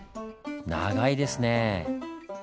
長いですねぇ。